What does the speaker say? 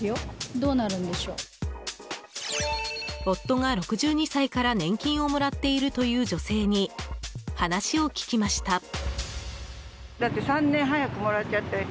夫が６２歳から年金をもらっているという女性に話を聞きました。